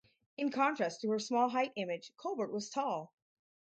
In contrast to her small height image, Colbert was tall.